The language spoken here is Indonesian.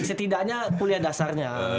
setidaknya kuliah dasarnya